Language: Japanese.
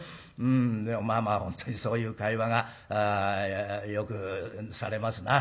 でもまあまあ本当にそういう会話がよくされますな。